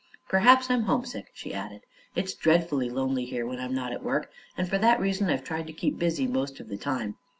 "Perhaps I'm homesick," she added. "It's dreadfully lonely here when I'm not at work, and for that reason I've tried to keep busy most of the time.